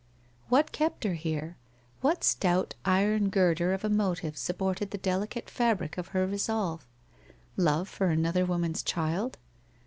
What kept her here? What stout iron girder of a motive supported the delicate fabric of her resolve? Love for another woman's child?